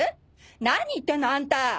何言ってんのあんた！